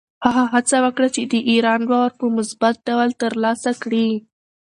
هغه هڅه وکړه، د ایران باور په مثبت ډول ترلاسه کړي.